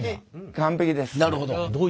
完璧です。